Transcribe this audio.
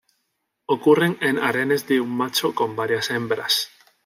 Ocurren en harenes de un macho con varias hembras.